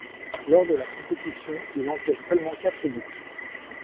Lors de la compétition il encaisse seulement quatre buts.